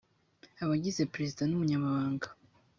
abagize perezida n umunyabanga